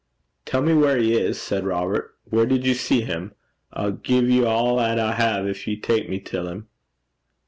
'Tell me where he is,' said Robert. 'Where did you see him? I'll gie ye a' 'at I hae gin ye'll tak me till him.'